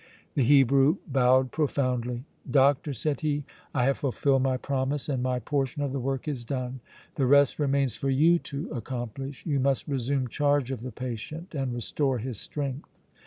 The Hebrew bowed profoundly. "Doctor," said he, "I have fulfilled my promise and my portion of the work is done. The rest remains for you to accomplish. You must resume charge of the patient and restore his strength."